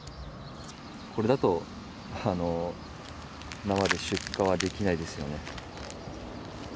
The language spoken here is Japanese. これだと、このままで出荷はできないですよね。